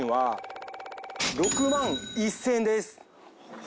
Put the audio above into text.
６万１，０００円。